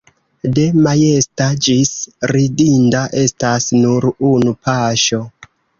De majesta ĝis ridinda estas nur unu paŝo.